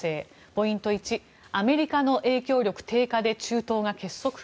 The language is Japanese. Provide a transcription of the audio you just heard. ポイント１、アメリカの影響力低下で中東が結束？